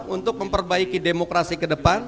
untuk memperbaiki demokrasi kedepan